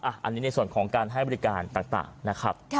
อันนี้ในส่วนของการให้บริการต่างนะครับ